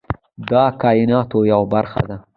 د کایناتو یوه برخه ده.